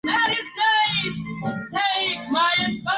El orangután come varios kilos de fruta al día.